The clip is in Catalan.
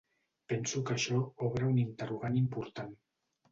Penso que això obre un interrogant important.